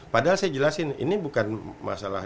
padahal saya jelasin ini bukan masalah